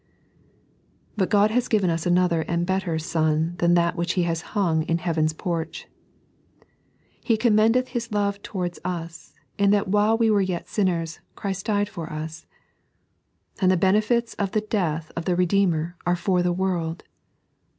But Ood has given us another and better Sun than that which He has hung in heaven's porch. " He conmiendeth His Love towards us, in that while we were yet sinners, Christ died for us." And the benefits of the death of the Redeemer are for the world.